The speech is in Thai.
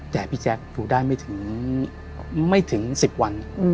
แต่พี่แจ๊คอยู่ได้ไม่ถึง๑๐วัน